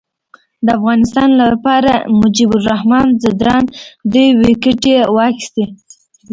د افغانستان لپاره مجيب الرحمان ځدراڼ دوې ویکټي واخیستي.